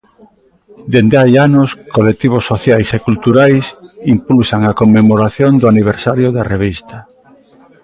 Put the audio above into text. Dende hai anos colectivos sociais e culturais impulsan a conmemoración do aniversario da revista.